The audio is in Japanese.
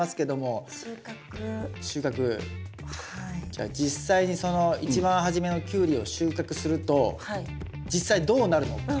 じゃあ実際にその一番初めのキュウリを収穫すると実際どうなるのか？